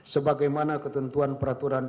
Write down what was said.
sebagai mana ketentuan peraturan